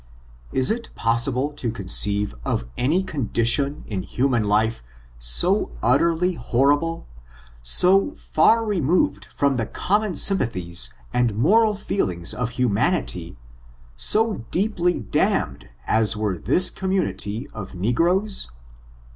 Is it possible to conceive of any condition in hu man life so utterly horrible — so far removed from the common sympathies and moral feelings of humanh> ty — 30 deeply damned as were this community of ne groes?